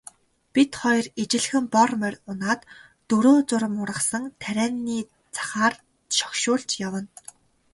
Бид хоёр ижилхэн бор морь унаад дөрөө зурам ургасан тарианы захаар шогшуулж явна.